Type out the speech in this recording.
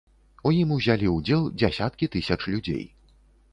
У ім узялі ўдзел дзясяткі тысяч людзей.